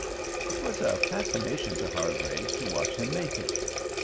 It was a fascination to Hargraves to watch him make it.